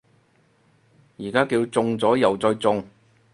而家叫中咗右再中